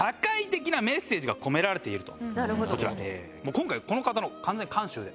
今回この方の完全監修で。